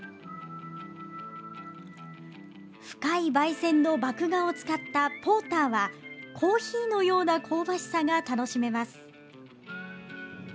深い、ばい煎の麦芽を使ったポーターはコーヒーのような香ばしさが楽しめます。